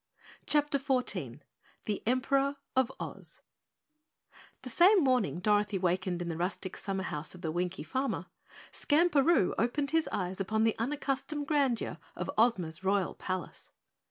CHAPTER 14 The Emperor of Oz The same morning Dorothy wakened in the rustic summer house of the Winkie farmer, Skamperoo opened his eyes upon the unaccustomed grandeur of Ozma's Royal Palace.